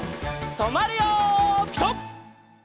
とまるよピタ！